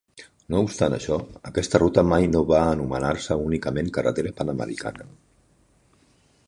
No obstant això, aquesta ruta mai no va anomenar-se únicament carretera Panamericana.